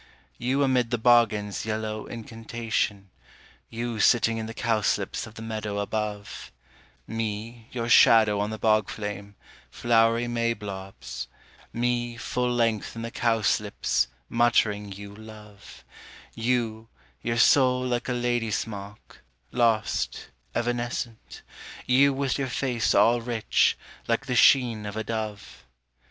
You amid the bog end's yellow incantation, You sitting in the cowslips of the meadow above, Me, your shadow on the bog flame, flowery may blobs, Me full length in the cowslips, muttering you love; You, your soul like a lady smock, lost, evanescent, You with your face all rich, like the sheen of a dove.